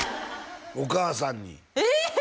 お母さんにええ！